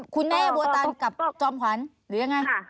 คุณแม่บัวตันกับจอมขวัญหรือยังไง